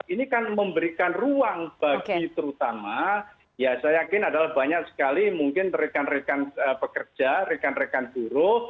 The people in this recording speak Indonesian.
ini kan memberikan ruang bagi terutama ya saya yakin adalah banyak sekali mungkin rekan rekan pekerja rekan rekan buruh